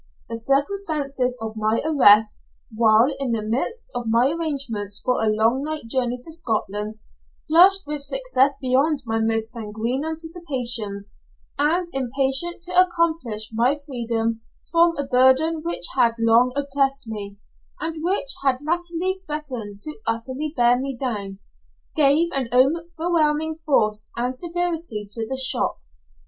The circumstances of my arrest, while in the midst of my arrangements for a long night journey to Scotland, flushed with success beyond my most sanguine anticipations, and impatient to accomplish my freedom from a burden which had long oppressed me, and which had latterly threatened to utterly bear me down, gave an overwhelming force and severity to the shock.